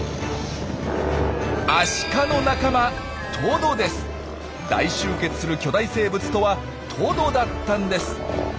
アシカの仲間大集結する巨大生物とはトドだったんです！